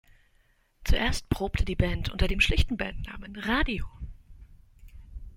Zuerst probte die Band unter dem schlichten Bandnamen „Radio“.